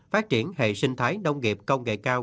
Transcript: phát triển hệ sinh thái nông nghiệp công nghệ cao